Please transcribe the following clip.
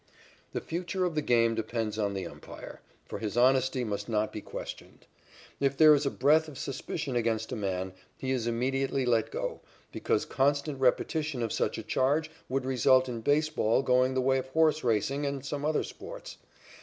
The future of the game depends on the umpire, for his honesty must not be questioned. If there is a breath of suspicion against a man, he is immediately let go, because constant repetition of such a charge would result in baseball going the way of horse racing and some other sports.